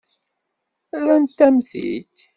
Rrant-am-t-id.